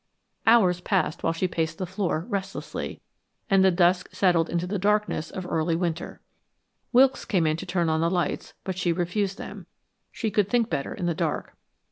Hours passed while she paced the floor, restlessly, and the dusk settled into the darkness of early winter. Wilkes came to turn on the lights, but she refused them she could think better in the dark.